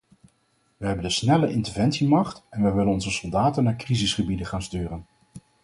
Wij hebben de snelle-interventiemacht en wij willen onze soldaten naar crisisgebieden gaan sturen.